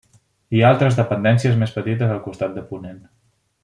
Hi ha altres dependències més petites al costat de ponent.